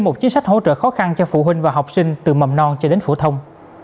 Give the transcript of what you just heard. một số hỗ trợ khó khăn cho phụ huynh và học sinh từ mầm non cho đến phổ thông